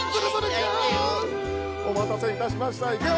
おまたせいたしましたいくよ！